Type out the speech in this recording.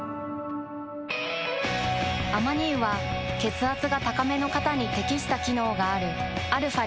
アマニ油は血圧が高めの方に適した機能があるαー